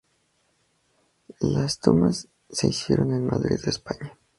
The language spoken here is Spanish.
Las tomas se hicieron en Madrid, España.